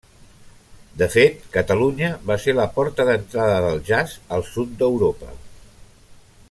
De fet, Catalunya va ser la porta d'entrada del jazz al sud d'Europa.